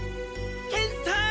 ケンさん